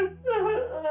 aku sudah berjalan